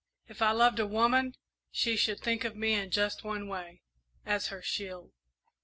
If I loved a woman she should think of me in just one way as her shield."